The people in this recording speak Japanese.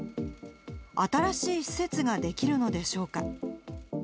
新しい施設が出来るのでしょうか。